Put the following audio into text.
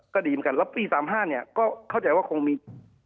ก็ดีเหมือนกันแล้วปี๓๕เนี่ยก็เข้าใจว่าคงมี